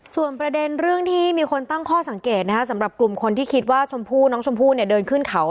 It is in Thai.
ส่วนประเด็นเรื่องที่มีคนตั้งข้อสังเกตสำหรับกลุ่มคนที่คิดว่าชมพู่น้องชมพู่เนี่ยเดินขึ้นเขา